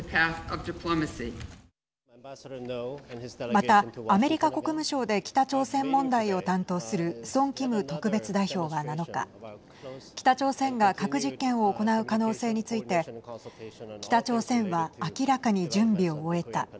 また、アメリカ国務省で北朝鮮問題を担当するソン・キム特別代表は７日北朝鮮が核実験を行う可能性について北朝鮮は明らかに準備を終えた。